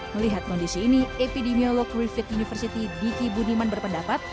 melihat kondisi ini epidemiolog griffith university diki budiman berpendapat